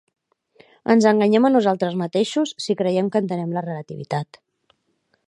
Ens enganyem a nosaltres mateixos si creiem que entenem la relativitat.